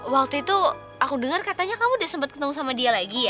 waktu itu aku dengar katanya kamu udah sempat ketemu sama dia lagi ya